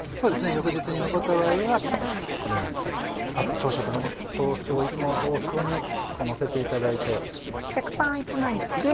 翌日に残った場合はこのように朝食のトーストいつものトーストにのせていただいて。